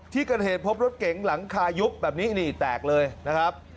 ที่เกิดเหตุพบรถเก๋งหลังคายุบแบบนี้นี่แตกเลยนะครับ